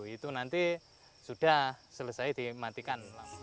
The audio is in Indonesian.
itu nanti sudah selesai dimatikan